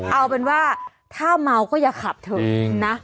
เอาเป็นว่าถ้าเมาก็อย่าขับเถอะนะ